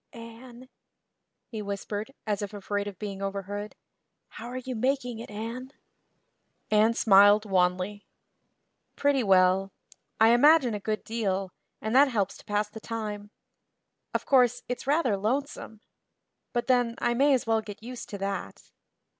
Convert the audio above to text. "Anne," he whispered, as if afraid of being overheard, "how are you making it, Anne?" Anne smiled wanly. "Pretty well. I imagine a good deal, and that helps to pass the time. Of course, it's rather lonesome. But then, I may as well get used to that."